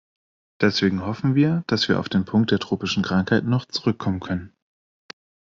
Deswegen hoffen wir, dass wir auf den Punkt der tropischen Krankheiten noch zurückkommen können.